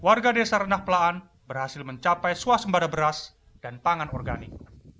warga desa renah pelahan berhasil mencapai suah sembarang beras dan pangan organik